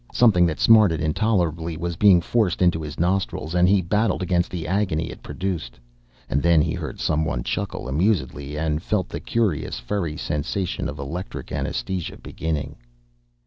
Something that smarted intolerably was being forced into his nostrils, and he battled against the agony it produced. And then he heard someone chuckle amusedly and felt the curious furry sensation of electric anesthesia beginning....